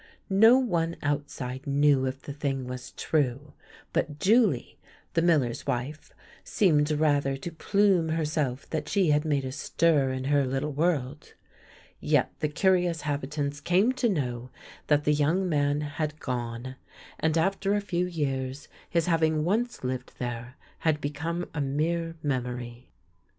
No one outside knew if the thing was true, but Julie, the miller's wife, seemed rather to plume herself that she had made a stir in her little world. Yet the curious habitants came to know that the young man had gone, and after a few years his having once lived there had become a mere mem ory.